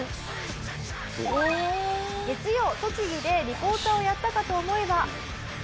月曜栃木でリポーターをやったかと思えば。